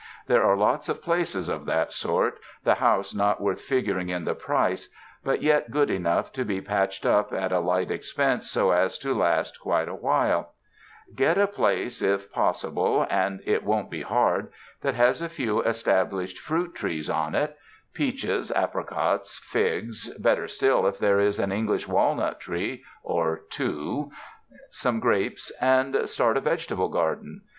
There are lots of places of that sort, the house not worth figuring in the price, but yet good enough to be patched up at a light expense so as to last quite a while. Get a place if possible — and it won't be hard — that has a few established fruit trees on it, 250 RESIDENCE IN THE LAND OF SUNSHINE peaches, apricots, figs, better still if there is an Eng lish walnut tree or two and some grapes, and start a vegetable garden.